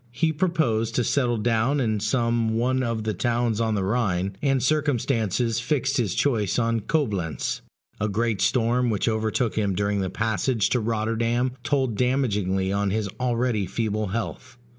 He proposed to settle down in some one of the towns on the Rhine, and circumstances fixed his choice on Coblentz. A great storm which overtook him during the passage to Rotterdam told damagingly on his already feeble health.